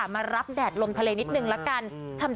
มารับแดดลมทะเลนิดนึงละกัน